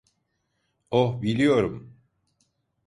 Oh, biliyorum.